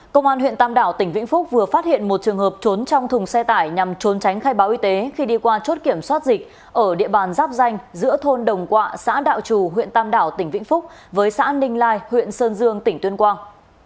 công an huyện tam đảo tỉnh vĩnh phúc vừa phát hiện một trường hợp trốn trong thùng xe tải nhằm trốn tránh khai báo y tế khi đi qua chốt kiểm soát dịch ở địa bàn giáp danh giữa thôn đồng quạ xã đạo trù huyện tam đảo tỉnh vĩnh phúc với xã ninh lai huyện sơn dương tỉnh tuyên quang